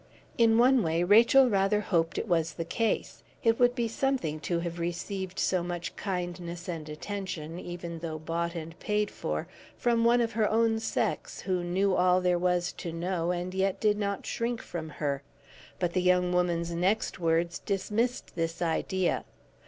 In one way Rachel rather hoped it was the case; it would be something to have received so much kindness and attention, even though bought and paid for, from one of her own sex who knew all there was to know, and yet did not shrink from her. But the young woman's next words dismissed this idea.